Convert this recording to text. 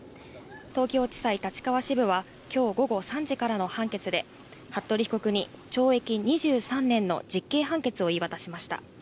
東京地裁立川支部はきょう午後３時からの判決で、服部被告に懲役２３年の実刑判決を言い渡しました。